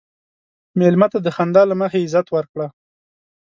مېلمه ته د خندا له مخې عزت ورکړه.